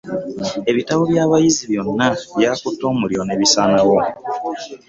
Ebitabo bya bayizi byonna byakutte omuliro nebisaanawo.